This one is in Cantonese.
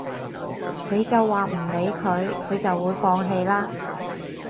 你夠話唔理佢，佢就會放棄啦